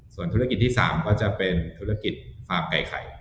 ส่วนธุรกิจที่๓ก็จะเป็นธุรกิจฟาร์มไก่ไข่